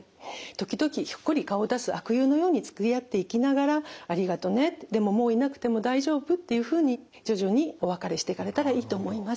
時々ひょっこり顔を出す悪友のようにつきあっていきながら「ありがとね。でももういなくても大丈夫」っていうふうに徐々にお別れしていかれたらいいと思います。